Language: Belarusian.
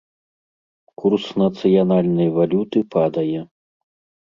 Курс нацыянальнай валюты падае.